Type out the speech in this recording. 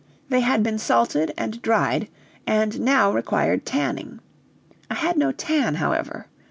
They had been salted and dried, and now required tanning. I had no tan, however.